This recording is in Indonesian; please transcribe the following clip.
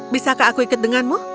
bisakah aku ikut denganmu